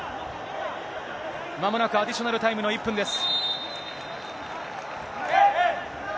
まもなくアディショナルタイムの１分です。